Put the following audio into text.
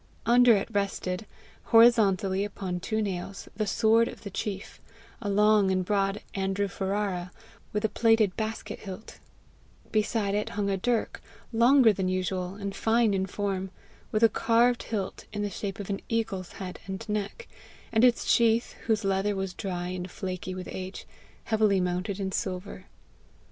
Under it rested, horizontally upon two nails, the sword of the chief a long and broad ANDREW FERRARA, with a plated basket hilt; beside it hung a dirk longer than usual, and fine in form, with a carved hilt in the shape of an eagle's head and neck, and its sheath, whose leather was dry and flaky with age, heavily mounted in silver.